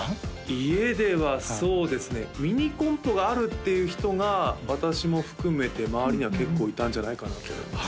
家ではそうですねミニコンポがあるっていう人が私も含めて周りには結構いたんじゃないかなと思います